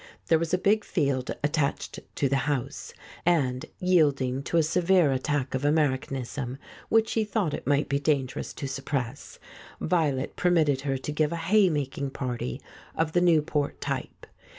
There was a big field attached to the house, and, yielding to a severe attack of Americanism, which she thought it might be dangerous to suppress, Violet permitted her to give a haymaking party of the Newport type.